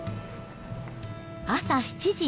朝７時。